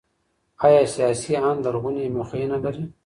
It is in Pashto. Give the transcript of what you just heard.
ايا سياسي آند لرغونې مخېنه لري؟